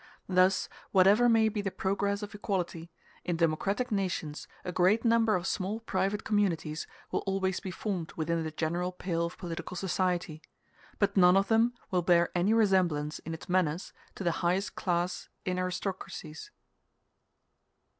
Thus, whatever may be the progress of equality, in democratic nations a great number of small private communities will always be formed within the general pale of political society; but none of them will bear any resemblance in its manners to the highest class in aristocracies.